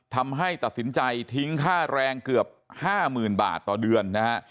ทำให้ตัดสินใจทิ้งค่าแรงเกือบ๕๐๐๐บาทต่อเดือนนะฮะ